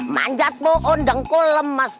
manjat bohon dengku lemes